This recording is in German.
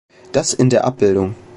Das in der Abb.